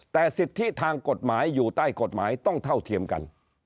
แต่สิทธิทางกฎหมายอยู่ใต้กฎหมายต้องเท่าเทียมกัน